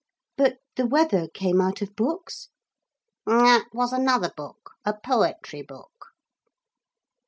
'But the weather came out of books?' 'That was another book, a poetry book.